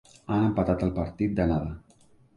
Han empatat el partit d'anada.